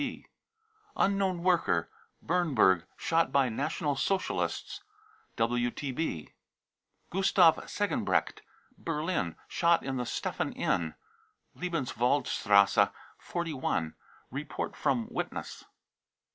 {WTB.) unknown worker, Bernburg, shot by National Socialists. (WTB.) GUSTAV segebrecht, Berlin, shot in the Stephan Inn, Liebenwalderstrasse 41. (Report from witness.)